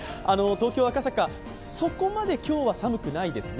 東京・赤坂、そこまで今日は寒くないですね。